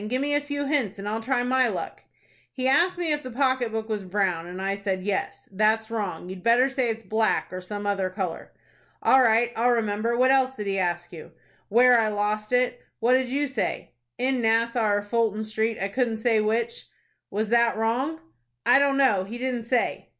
Give me a few hints, and I'll try my luck." "He asked me if the pocket book was brown, and I said yes. That's wrong. You'd better say it's black, or some other color." "All right. I'll remember. What else did he ask you?" "Where I lost it." "What did you say?" "In Nassau or Fulton Street, I couldn't say which." "Was that wrong?" "I don't know, he didn't say."